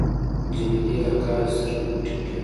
جمیلې له قهره سترګې پټې کړې.